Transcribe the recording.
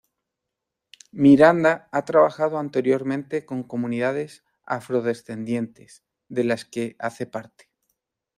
Miranda ha trabajado anteriormente con comunidades afrodescendientes, de las que hace parte.